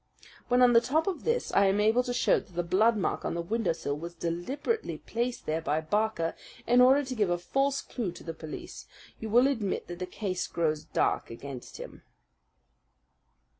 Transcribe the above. When on the top of this I am able to show that the blood mark on the windowsill was deliberately placed there by Barker, in order to give a false clue to the police, you will admit that the case grows dark against him.